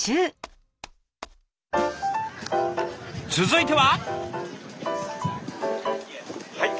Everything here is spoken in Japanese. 続いては。